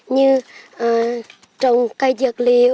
như trồng cây dược liệu